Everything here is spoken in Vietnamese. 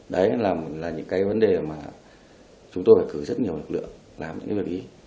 đấy là những vấn đề mà chúng tôi phải cưới rất nhiều lực lượng làm những việc ý